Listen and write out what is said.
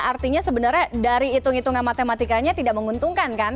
artinya sebenarnya dari hitung hitungan matematikanya tidak menguntungkan kan